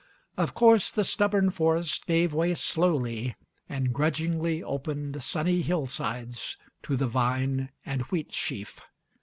Of course the stubborn forest gave way slowly, and grudgingly opened sunny hillsides to the vine and wheat sheaf.